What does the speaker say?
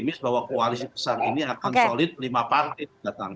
optimis bahwa koalisi besar ini akan solid lima partai datang